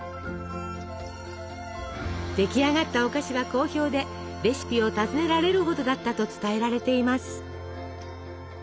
出来上がったお菓子は好評でレシピを尋ねられるほどだったと伝えられています。